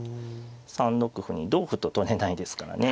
３六歩に同歩と取れないですからね。